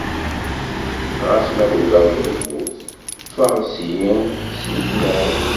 Ɣas ma tugadeḍ lmut, ffeɣ seg-i s lekmal.